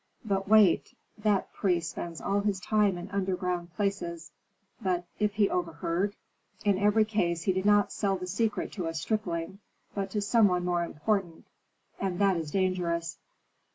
But wait! that priest spends all his time in underground places. But if he overheard?" "In every case he did not sell the secret to a stripling, but to some one more important; and that is dangerous."